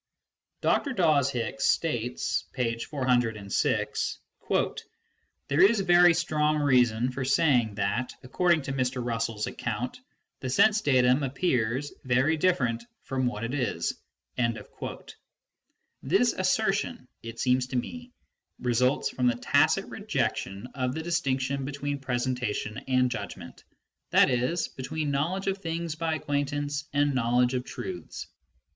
Dr. Dawes Hicks states (p. 406) :" There is very strong reason for saying that, according to Mr. Russell's account, the sense datum appears very different from what it is ". This assertion, it seems to me, results from the tacit rejection of the distinction be tween presentation and judgment, i.e. between knowledge of things by acquaintance and knowledge of truths.